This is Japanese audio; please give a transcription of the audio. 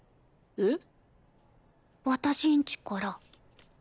えっ？